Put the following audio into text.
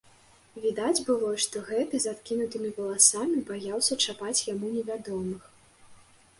Відаць было, што гэты, з адкінутымі валасамі, баяўся чапаць яму невядомых.